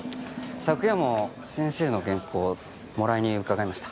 昨夜も先生の原稿をもらいに伺いました。